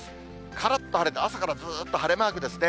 からっと晴れて、朝からずっと晴れマークですね。